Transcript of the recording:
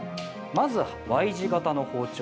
まずＹ字型の包丁。